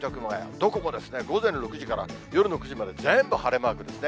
どこも午前６時から夜の９時まで全部晴れマークですね。